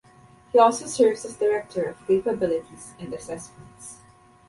He also serves as Director of Capabilities and Assessments.